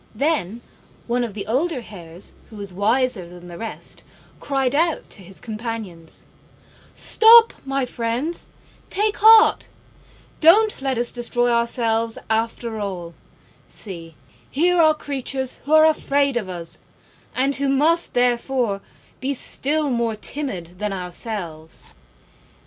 Then one of the older Hares who was wiser than the rest cried out to his companions, "Stop, my friends, take heart; don't let us destroy ourselves after all: see, here are creatures who are afraid of us, and who must, therefore, be still more timid than ourselves."